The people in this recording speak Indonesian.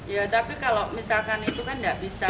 ya tapi kalau misalkan itu kan nggak bisa